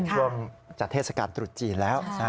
ช่วงจัดเทศกาลตรุษจีนแล้ว